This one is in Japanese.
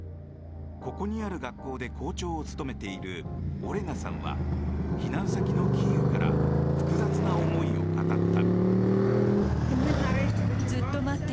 ここにある学校で校長を務めているオレナさんは避難先のキーウから複雑な思いを語った。